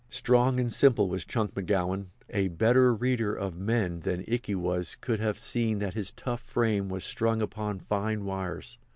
Strong and simple was Chunk McGowan. A better reader of men than Ikey was could have seen that his tough frame was strung upon fine wires.